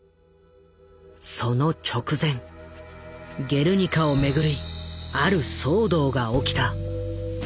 その直前「ゲルニカ」を巡りある騒動が起きた。